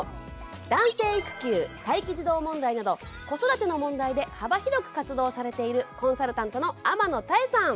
男性育休待機児童問題など子育ての問題で幅広く活動されているコンサルタントの天野妙さん。